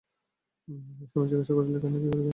স্বামী জিজ্ঞাসা করিল, কেন, কী করিবে?